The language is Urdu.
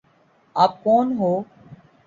آپ کون ہو؟